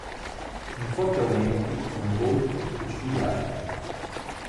In forte aumento sono volpi e cinghiali.